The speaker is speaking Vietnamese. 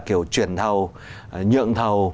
kiểu chuyển thầu nhượng thầu